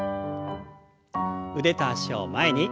腕と脚を前に。